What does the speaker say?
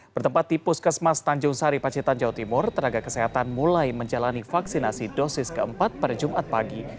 bertempat tipus kesmas tanjung sari pacitan jawa timur tenaga kesehatan mulai menjalani vaksinasi dosis ke empat pada jumat pagi